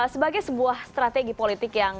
sebagai sebuah strategi politik yang